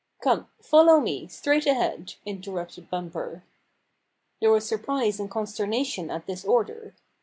"Come, follow me, straight ahead," inter rupted Bumper. There was surprise and consternation at this order.